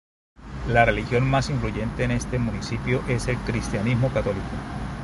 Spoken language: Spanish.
La religión más influyente en este municipio es el cristianismo católico.